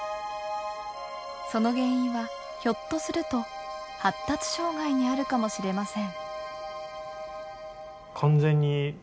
その原因はひょっとすると発達障害にあるかもしれません。